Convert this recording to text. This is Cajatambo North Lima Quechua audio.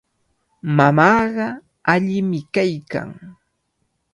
Mamaaqa allimi kaykan.